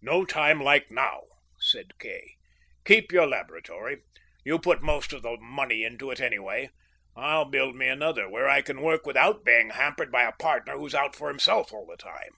"No time like now," said Kay. "Keep your laboratory. You put most of the money into it, anyway. I'll build me another where I can work without being hampered by a partner who's out for himself all the time.